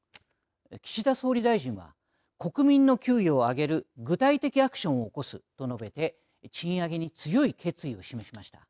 岸田総理大臣は「国民の給与を上げる具体的アクションを起こす」と述べて賃上げに強い決意を示しました。